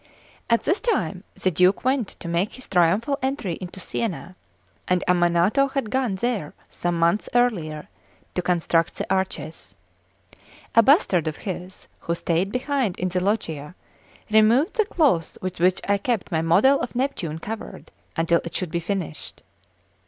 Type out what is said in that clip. CVI AT this time the Duke went to make his triumphal entry into Siena, and Ammanato had gone there some months earlier to construct the arches. A bastard of his, who stayed behind in the Loggia, removed the cloths with which I kept my model of Neptune covered until it should be finished.